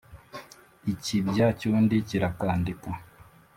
ikibya cy'undi kirakandika.